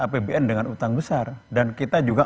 apbn dengan utang besar dan kita juga